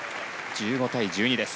１５対１２です。